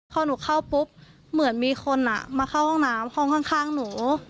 พอหนูเข้าปุ๊บเหมือนมีคนมาเข้าห้องน้ำห้องข้างหนู